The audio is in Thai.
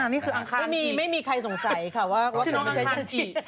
นี่คืออังคารจิไม่มีใครสงสัยค่ะว่าไม่ใช่จันจิ